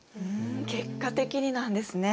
結果的になんですね。